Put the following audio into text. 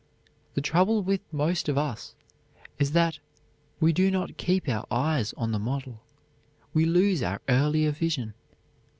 The trouble with most of us is that we do not keep our eyes on the model; we lose our earlier vision.